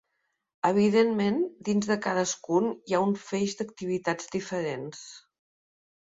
Evidentment, dins de cadascun hi ha un feix d’activitats diferents.